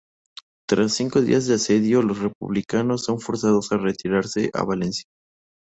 Tras cinco días de asedio los republicanos son forzados a retirarse a Valencia.